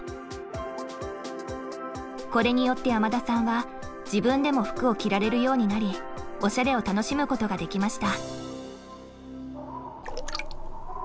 これによって山田さんは自分でも服を着られるようになりおしゃれを楽しむことができました。